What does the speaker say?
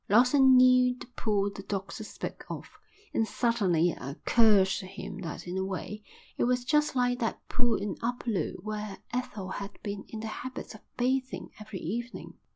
Lawson knew the pool the doctor spoke of, and suddenly it occurred to him that in a way it was just like that pool at Upolu where Ethel had been in the habit of bathing every evening.